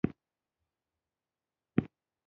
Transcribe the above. هغه د خدای حمد وایه.